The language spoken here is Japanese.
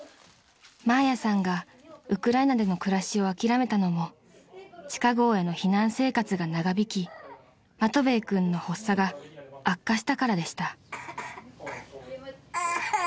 ［マーヤさんがウクライナでの暮らしを諦めたのも地下壕への避難生活が長引きマトヴェイ君の発作が悪化したからでした］